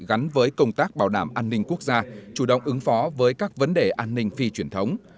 gắn với công tác bảo đảm an ninh quốc gia chủ động ứng phó với các vấn đề an ninh phi truyền thống